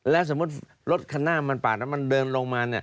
แล้วสมมุติรถคันหน้ามันปาดแล้วมันเดินลงมา